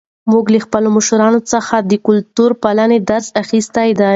موږ له خپلو مشرانو څخه د کلتور پالنې درس اخیستی دی.